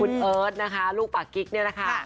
คุณเอิ้นอยู่ก่อนนะคะ